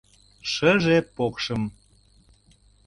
Шыже покшым